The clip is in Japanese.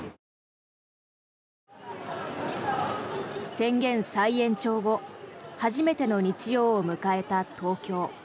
宣言再延長後初めての日曜を迎えた東京。